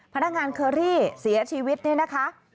พนักงานเคอรี่เสียชีวิตเนี่ยนะคะ